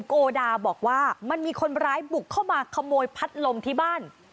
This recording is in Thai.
โกดาบอกว่ามันมีคนร้ายบุกเข้ามาขโมยพัดลมที่บ้าน